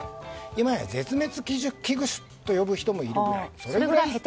今や絶滅危惧種と呼ぶ人もいるぐらい。